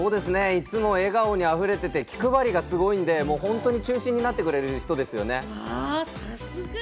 いつも笑顔に溢れてて、気配りがすごいんで、本当に中心になってくれる人ですよね。